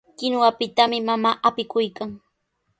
Kinuwapitami mamaa apikuykan.